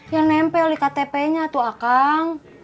yang nempel di ktpnya tuh akang